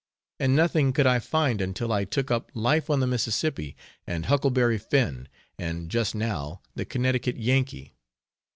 And nothing could I find until I took up "Life on the Mississippi," and "Huckleberry Finn," and, just now, the "Connecticut Yankee."